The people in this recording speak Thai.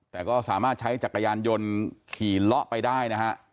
แต่ก็สามารถใช้จักรยานยนต์ขี่เลาะไปได้นะฮะ